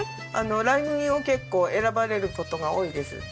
ライ麦を結構選ばれる事が多いです。